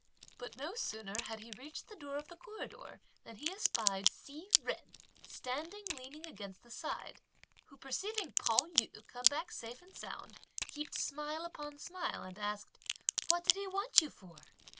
But no sooner had he reached the door of the corridor than he espied Hsi Jen standing leaning against the side; who perceiving Pao yü come back safe and sound heaped smile upon smile, and asked: "What did he want you for?"